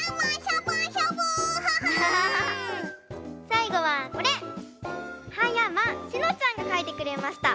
さいごはこれ！はやましのちゃんがかいてくれました。